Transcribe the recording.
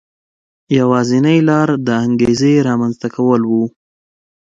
یوازینۍ لار د انګېزې رامنځته کول و.